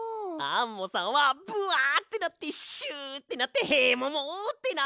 アンモさんはブワってなってシュってなってヘモモってなってるんだ！